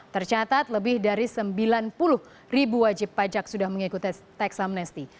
tercatat lebih dari sembilan puluh ribu wajib pajak sudah mengikuti tax amnesti